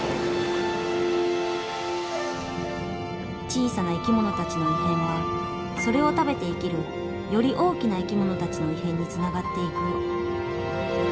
小さな生き物たちの異変はそれを食べて生きるより大きな生き物たちの異変につながっていく。